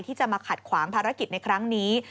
ที่จะมาขัดขวางภารกิจในครั้งนี้